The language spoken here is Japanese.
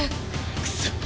クソ！